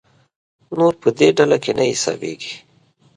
نور په دې ډله کې نه حسابېږي.